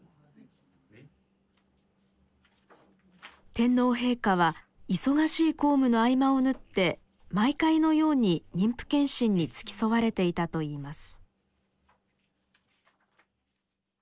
天皇陛下は忙しい公務の合間を縫って毎回のように妊婦健診に付き添われていたといいます。